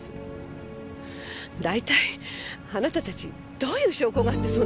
だいたいあなたたちどういう証拠があってそんなことを。